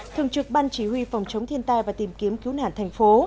thường trực ban chỉ huy phòng chống thiên tai và tìm kiếm cứu nạn thành phố